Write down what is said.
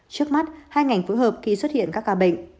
trước mắt hai ngành phối hợp khi xuất hiện các ca bệnh